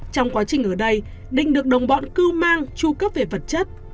trong quá trình ở đây định được đồng bọn cưu mang tru cấp về vật chất